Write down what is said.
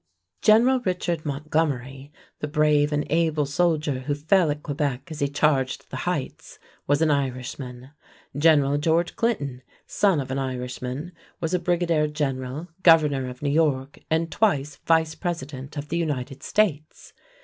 General Richard Montgomery, the brave and able soldier who fell at Quebec as he charged the heights, was an Irishman. General George Clinton, son of an Irishman, was a brigadier general, governor of New York and twice Vice President of the United States.